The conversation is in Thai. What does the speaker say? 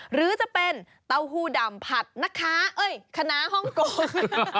หรือจะเป็นเต้าหู้ดำผัดนะคะเอ้ยคณะฮ่องกง